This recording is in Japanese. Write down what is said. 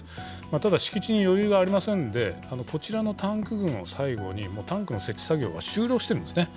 ただ、敷地に余裕がありませんで、こちらのタンク群を最後に、もうタンクの設置作業が終了しているんですね。